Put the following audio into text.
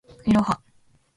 いろは